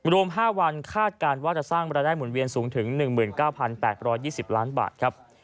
รวม๕วันคาดการณ์ว่าจะสร้างรายได้หมุนเวียนสูงถึง๑๙๘๒๐ล้านบาทครับ